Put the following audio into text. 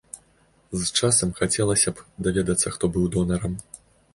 З часам хацелася б даведацца, хто быў донарам.